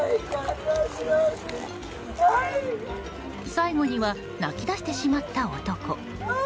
最後には泣き出してしまった男。